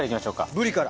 ブリから。